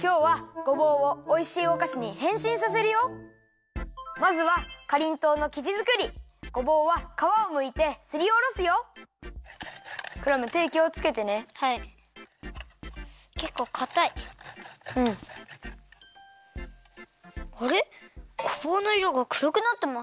ごぼうのいろがくろくなってます！